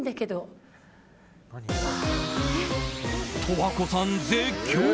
十和子さん絶叫！